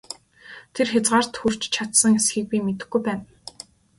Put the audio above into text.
Тэр хязгаарт хүрч чадсан эсэхийг би мэдэхгүй байна!